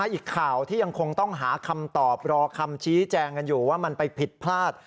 อีกข่าวที่ยังคงต้องหาคำตอบรอคำชี้แจงกันอยู่ว่ามันไปผิดพลาด